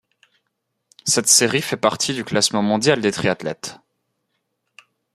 Cette série fait partie du classement mondial des triathlètes.